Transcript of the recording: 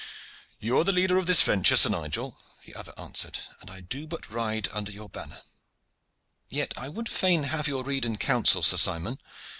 "You are the leader in this venture, Sir Nigel," the other answered, "and I do but ride under your banner." "Yet I would fain have your rede and counsel, Sir Simon.